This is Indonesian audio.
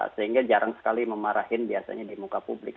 sehingga jarang sekali memarahin biasanya di muka publik